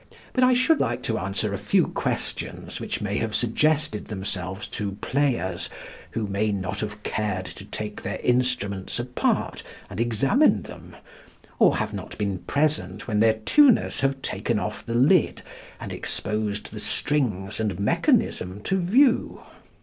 But I should like to answer a few questions which may have suggested themselves to players who may not have cared to take their instruments apart and examine them, or have not been present when their tuners have taken off the lid and exposed the strings and mechanism to view.